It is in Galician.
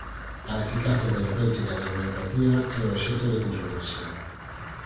A eficacia terapéutica da homeopatía é obxecto de controversia.